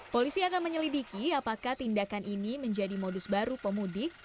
polisi akan menyelidiki apakah tindakan ini menjadi modus baru pemudik